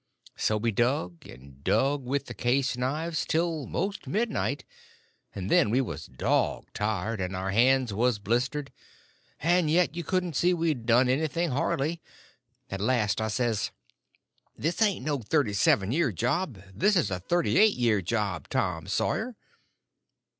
So we dug and dug with the case knives till most midnight; and then we was dog tired, and our hands was blistered, and yet you couldn't see we'd done anything hardly. At last I says: "This ain't no thirty seven year job; this is a thirty eight year job, Tom Sawyer."